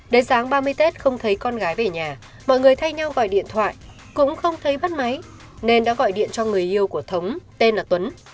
đến sáng ba mươi tết không thấy con gái về nhà mọi người thay nhau gọi điện thoại cũng không thấy bắt máy nên đã gọi điện cho người yêu của thống tên là tuấn